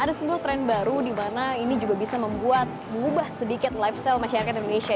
ada semua tren baru di mana ini juga bisa membuat mengubah sedikit lifestyle masyarakat indonesia